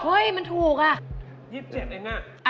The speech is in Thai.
เฮ้ยมันถูกอะยิบเจ็ดเองน่ะ